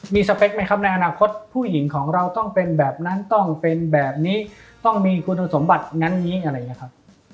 มีสเปคไหมครับในอนาคตผู้หญิงของเราต้องเป็นแบบนั้นต้องเป็นแบบนี้ต้องมีคุณสมบัติงั้นนี้อะไรอย่างนี้ครับ